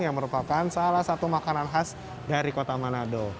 yang merupakan salah satu makanan khas dari kota manado